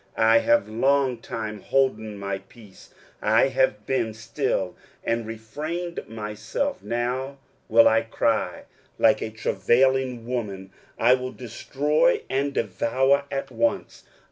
23:042:014 I have long time holden my peace; I have been still, and refrained myself: now will I cry like a travailing woman; I will destroy and devour at once.